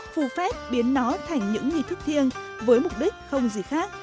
phù phép biến nó thành những nghi thức thiêng với mục đích không gì khác